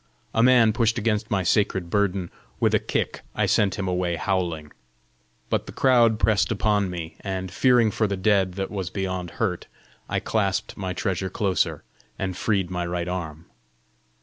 A man pushed against my sacred burden: with a kick I sent him away howling. But the crowd pressed upon me, and fearing for the dead that was beyond hurt, I clasped my treasure closer, and freed my right arm.